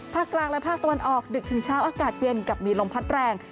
กลางและภาคตะวันออกดึกถึงเช้าอากาศเย็นกับมีลมพัดแรง